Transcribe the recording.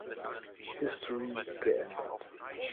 History" geändert.